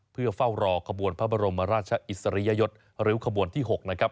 เพื่อเฝ้ารอขบวนพระบรมราชอิสริยยศริ้วขบวนที่๖นะครับ